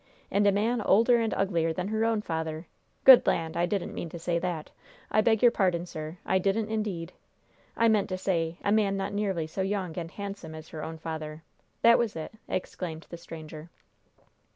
And a man older and uglier than her own father? Good land! I didn't mean to say that! I beg your pardon, sir; I didn't indeed! I meant to say a man not nearly so young and handsome as her own father! That was it!" exclaimed the stranger.